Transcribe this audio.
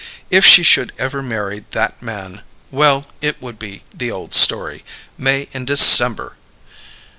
If she should ever marry that man well, it would be the old story: May and December!